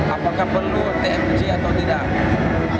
apakah perlu tmg atau tidak